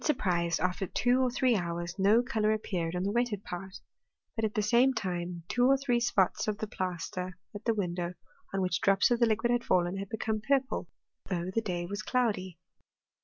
surprise, after two or three hours, no colour appeared on the wetted part; but, at the same time, two or three spots of the plaster at the window, on which drops of the liquid had fallen, had become purple ; though the day was cloudy.